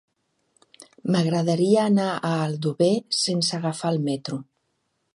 M'agradaria anar a Aldover sense agafar el metro.